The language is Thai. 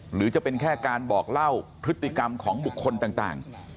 หรือจะเป็นแค่การบอกเล่าพฤติกรรมของบุคคลต่าง